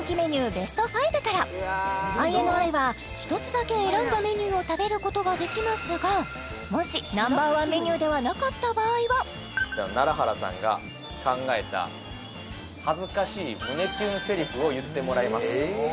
ＢＥＳＴ５からＩＮＩは１つだけ選んだメニューを食べることができますがもしＮｏ．１メニューではなかった場合は楢原さんが考えた恥ずかしい胸キュンセリフを言ってもらいますえ